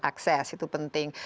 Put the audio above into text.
akses itu penting